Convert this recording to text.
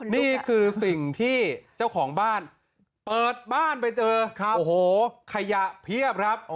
นี่คือสิ่งที่เจ้าของบ้านเปิดบ้านไปเจอโอ้โหขยะเพียบครับ